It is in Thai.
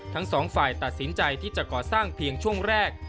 ทั้งสองฝ่ายตัดสินใจที่จะก่อสร้างเพียงช่วงแรก